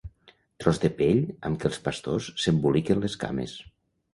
Tros de pell amb què els pastors s'emboliquen les cames.